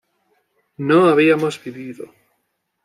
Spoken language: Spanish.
no habíamos vivido